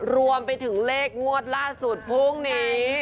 รวมไปถึงเลขงวดล่าสุดพรุ่งนี้